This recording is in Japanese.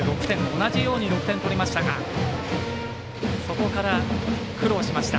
同じように６点取りましたがそこから苦労しました。